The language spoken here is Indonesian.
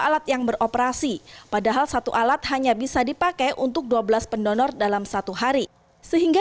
alat yang beroperasi padahal satu alat hanya bisa dipakai untuk dua belas pendonor dalam satu hari sehingga